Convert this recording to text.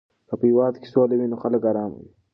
که په هېواد کې سوله وي نو خلک آرامه وي.